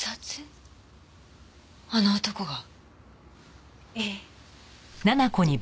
あの男が？ええ。